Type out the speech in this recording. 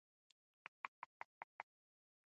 د ولس ملاتړ د هرې پرېکړې د بریا او مشروعیت ضامن دی